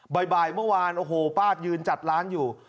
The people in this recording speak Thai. บ่ายเมื่อวานโอ้โหป้ายืนจัดร้านอยู่